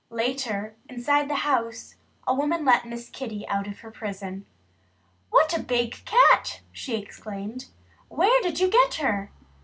Later, inside the house, a woman let Miss Kitty out of her prison. "What a big cat!" she exclaimed. "Where did you get her?"